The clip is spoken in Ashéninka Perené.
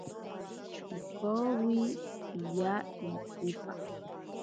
Pikowi piya intsipa.